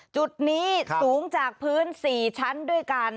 จุดนี้สูงจากพื้น๔ชั้นด้วยกัน